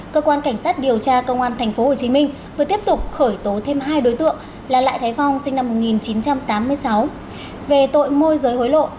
cơ quan cảnh sát điều tra công an tp hcm vừa tiếp tục khởi tố thêm hai đối tượng là lại thái phong sinh năm một nghìn chín trăm tám mươi sáu về tội môi giới hối lộ